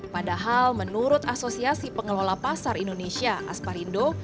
padahal menurut asosiasi pengelola pasar indonesia asparindo